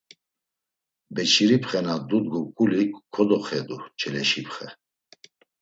Beçiripxe na dudgu ǩuli kodoxedu Çeleşipxe.